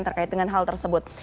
terkait dengan hal tersebut